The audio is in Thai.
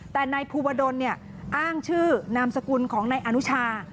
แต่นายภูวดลอ้างชื่อนามสกุลของนายอนุชา